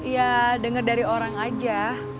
ya dengar dari orang aja